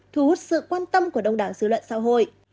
thu hút sự quan tâm của đông đảng xứ luận xã hội